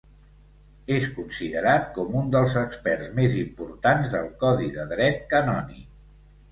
És considerat com un dels experts més importants del Codi de Dret Canònic.